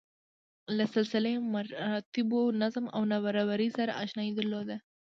له سلسله مراتبو، نظم او نابرابرۍ سره اشنايي درلوده.